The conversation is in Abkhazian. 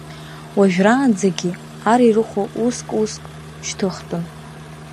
Уажәраанӡагьы ар ирыхәо уск-уск шьҭыхтәын.